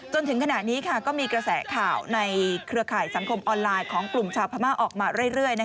จนถึงขณะนี้ก็มีกระแสข่าวในเครือข่ายสังคมออนไลน์ของกลุ่มชาวพม่าออกมาเรื่อย